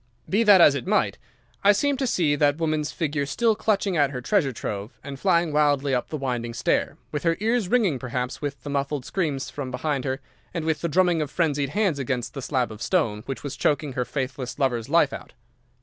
Be that as it might, I seemed to see that woman's figure still clutching at her treasure trove and flying wildly up the winding stair, with her ears ringing perhaps with the muffled screams from behind her and with the drumming of frenzied hands against the slab of stone which was choking her faithless lover's life out.